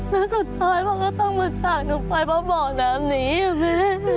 แล้วสุดท้ายพ่อก็ต้องมาจากหนูไว้บ่อน้ำนี้นะ